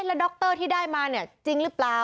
แล้วดรที่ได้มาเนี่ยจริงหรือเปล่า